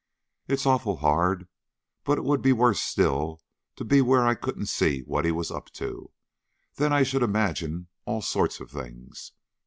It's awful hard; but it would be worse still to be where I couldn't see what he was up to. Then I should imagine all sorts of things.